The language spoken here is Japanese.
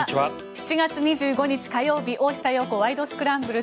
７月２５日、火曜日「大下容子ワイド！スクランブル」。